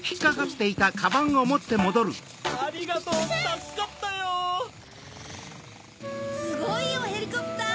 すごいよヘリコプタン。